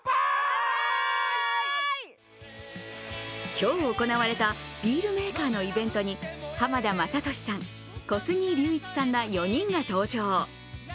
今日行われたビールメーカーのイベントに浜田雅功さん、小杉竜一さんら４人が登場。